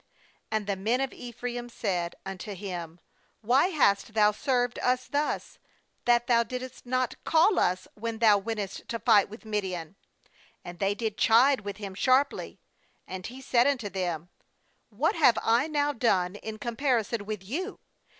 Q And the men of Ephraim said unto him: 'Why hast thou served us thus, that thou didst not call us when thou wentest to fight with Midian?' And they did chide with him, sharply. 2And he said unto them * 'What have I now done in comparison with you?